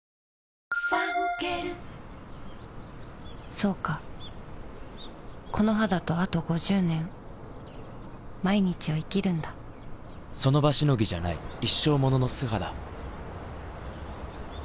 そうかこの肌とあと５０年その場しのぎじゃない一生ものの素肌